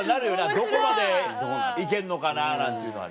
どこまで行けんのかななんていうのはね。